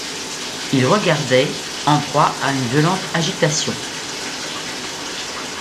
Il regardait, en proie à une violente agitation.